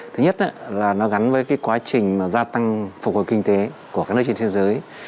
thứ nhất là nó gắn với quá trình gia tăng phục hồi kinh tế của các nước trên thế giới